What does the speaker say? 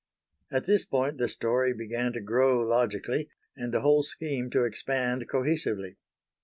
At this point the story began to grow logically, and the whole scheme to expand cohesively.